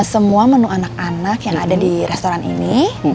semua menu anak anak yang ada di restoran ini